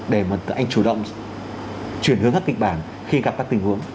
để mà anh chủ động chuyển hướng các kịch bản khi gặp các tình huống